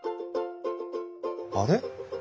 あれ？